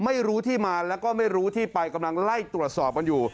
ไม่รู้ที่มาแล้วก็ไม่รู้ที่ไปกำลังไล่ตรวจสอบกันอยู่